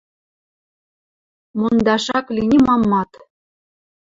Мондаш ак ли нимамат.